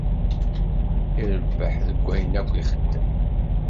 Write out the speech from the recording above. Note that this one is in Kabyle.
Irebbeḥ deg wayen akk ixeddem.